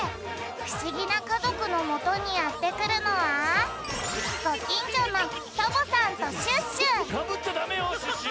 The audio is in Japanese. ふしぎなかぞくのもとにやってくるのはサボっちゃダメよシュッシュ！